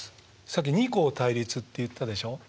さっき二項対立って言ったでしょう？